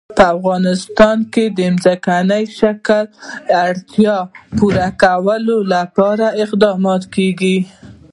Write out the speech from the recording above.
په افغانستان کې د ځمکنی شکل د اړتیاوو پوره کولو لپاره اقدامات کېږي.